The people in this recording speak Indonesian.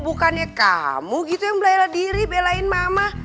bukannya kamu gitu yang bela diri belain mama